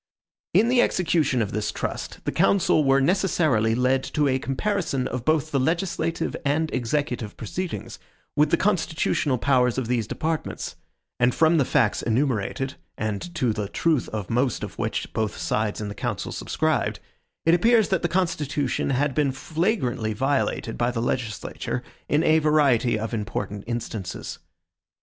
In the execution of this trust, the council were necessarily led to a comparison of both the legislative and executive proceedings, with the constitutional powers of these departments; and from the facts enumerated, and to the truth of most of which both sides in the council subscribed, it appears that the constitution had been flagrantly violated by the legislature in a variety of important instances.